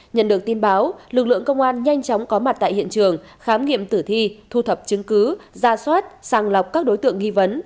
nhận được tin báo lực lượng công an nhanh chóng có mặt tại hiện trường khám nghiệm tử thi thu thập chứng cứ ra soát sàng lọc các đối tượng nghi vấn